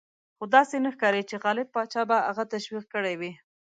خو داسې نه ښکاري چې غالب پاشا به هغه تشویق کړی وي.